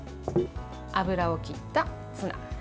油を切ったツナ。